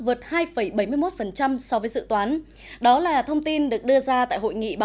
vượt hai bảy mươi một so với dự toán đó là thông tin được đưa ra tại hội nghị báo cáo của hội nghị báo cáo của